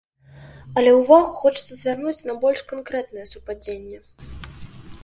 Але ўвагу хочацца звярнуць на больш канкрэтнае супадзенне.